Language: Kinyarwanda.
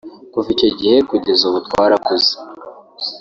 kuva icyo gihe kugeza ubu twarakuze